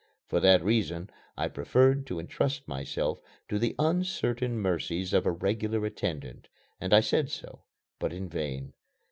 For that reason I preferred to entrust myself to the uncertain mercies of a regular attendant; and I said so, but in vain.